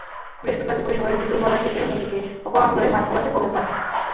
বৃহস্পতিবার দুপুরে শহরের বিজুল বাজার থেকে মেয়েটিকে অপহরণ করে মাইক্রোবাসে তোলেন তাঁরা।